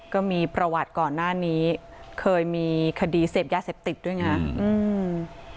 ก็มีประวัติก่อนหน้านี้เคยมีคดีเสพยาเสพติดด้วยไงอืม